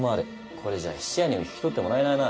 これじゃあ質屋にも引き取ってもらえないな。